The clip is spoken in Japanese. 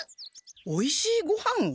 おいしいごはんを？